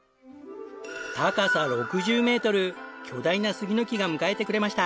高さ６０メートル巨大な杉の木が迎えてくれました。